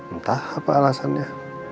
entah apa alasannya